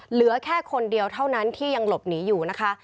เหลือแค่คนเดียวเท่านั้นที่ยังหลบหนีอยู่นะคะ